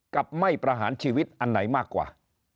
ไม่ประหารชีวิตอันไหนมากกว่า